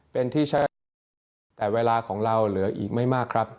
เป็นที่ใช้เวลาแต่เวลาของเราเหลืออีกไม่มากครับ